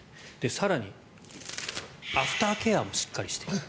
更に、アフターケアもしっかりしている。